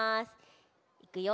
いくよ。